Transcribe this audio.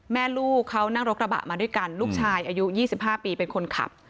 แม่ลูกเขานั่งรถกระบะมาด้วยกันลูกชายอายุ๒๕ปีเป็นคนขับ